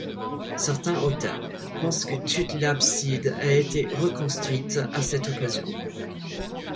Certains auteurs pensent que toute l’abside a été reconstruite à cette occasion.